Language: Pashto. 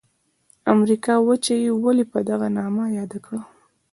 د امریکا وچه یې ولي په دغه نامه یاده کړه؟